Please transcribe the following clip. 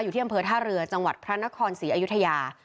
ที่อำเภอท่าเรือจังหวัดพระนครศรีอยุธยา